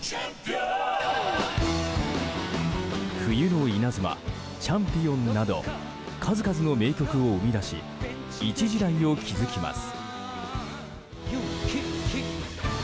「冬の稲妻」「チャンピオン」など数々の名曲を生み出し一時代を築きます。